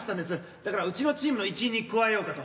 だからうちのチームの一員に加えようかと。